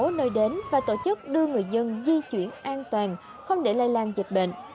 tỉnh thành phố nơi đến và tổ chức đưa người dân di chuyển an toàn không để lai lan dịch bệnh